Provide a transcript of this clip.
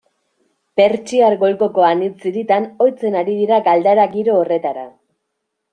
Pertsiar Golkoko anitz hiritan ohitzen ari dira galdara giro horretara.